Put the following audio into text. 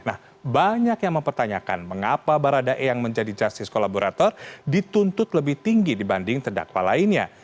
nah banyak yang mempertanyakan mengapa baradae yang menjadi justice kolaborator dituntut lebih tinggi dibanding terdakwa lainnya